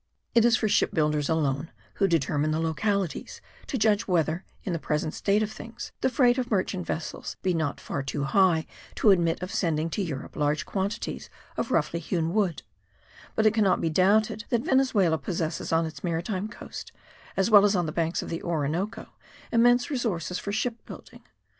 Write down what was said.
It is for ship builders alone, who determine the localities, to judge whether, in the present state of things, the freight of merchant vessels be not far too high to admit of sending to Europe large quantities of roughly hewn wood; but it cannot be doubted that Venezuela possesses on its maritime coast, as well as on the banks of the Orinoco, immense resources for ship building.